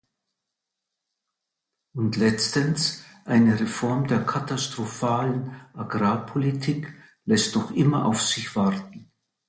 Und letztens, eine Reform der katastrophalen Agrarpolitik lässt noch immer auf sich warten.